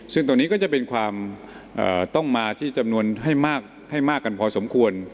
ซึ่งตรงนี้ก็จะเป็นความต้องมาที่จำนวนให้มากให้มากกันพอสมควร